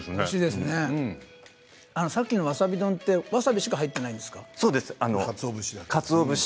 さっきのわさび丼は、わさびしか入っていないんですか？